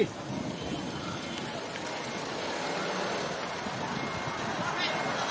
ไฟไฟ